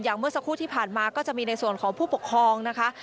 เมื่อสักครู่ที่ผ่านมาก็จะมีในส่วนของผู้ปกครองนะคะ